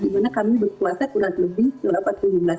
bulan ramadan berkepatan dengan musim panas